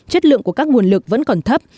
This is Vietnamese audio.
chất lượng của các nguồn lực vẫn còn thấp